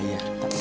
tak rapau ibu